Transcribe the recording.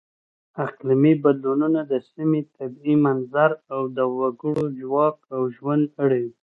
اقلیمي بدلونونه د سیمې طبیعي منظر او د وګړو ژواک او ژوند اړوي.